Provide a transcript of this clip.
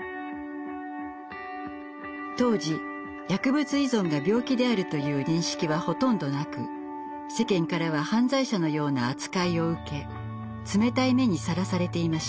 当時薬物依存が病気であるという認識はほとんどなく世間からは犯罪者のような扱いを受け冷たい目にさらされていました。